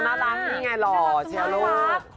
น่ารักนี่ไงหล่อเชียร์ลูก